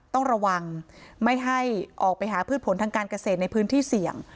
ต้องระวังไม่ให้ออกไปหาพืชผลทางการเกษตรในพื้นที่เสี่ยง